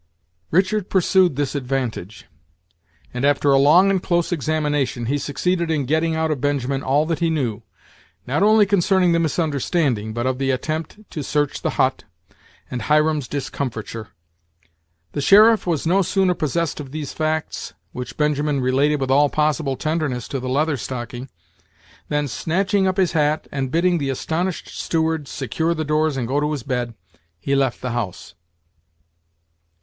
Richard pursued this advantage; and, after a long and close examination, he succeeded in getting out of Benjamin all that he knew, not only concerning the misunderstanding, but of the attempt to search the hut, and Hiram's discomfiture. The sheriff was no sooner possessed of these facts, which Benjamin related with all possible tenderness to the Leather Stocking, than, snatching up his hat, and bidding the astonished steward secure the doors and go to his bed, he left the house.